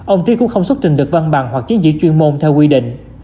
ông trí cũng không xuất trình được văn bằng hoặc chiến giữ chuyên môn theo quy định